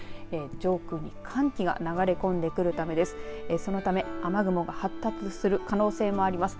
上空に寒気が流れ込んでくるためです。